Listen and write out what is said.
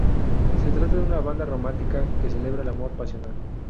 Se trata de una balada romántica, que celebra el amor pasional.